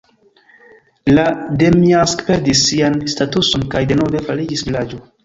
La Demjansk perdis sian statuson kaj denove fariĝis vilaĝo.